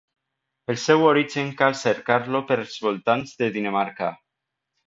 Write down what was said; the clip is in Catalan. El seu origen cal cercar-lo pels voltants de Dinamarca.